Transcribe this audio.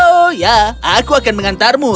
oh ya aku akan mengantarmu